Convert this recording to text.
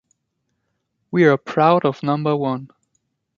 We're proud of number one.